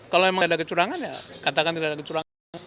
kalau memang ada kecurangan ya katakan tidak ada kecurangan